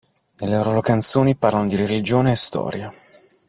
Nelle loro canzoni parlano di religione e storia.